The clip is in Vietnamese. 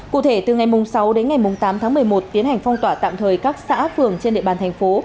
cụ thể từ ngày sáu đến ngày tám tháng một mươi một tiến hành phong tỏa tạm thời các xã phường trên địa bàn thành phố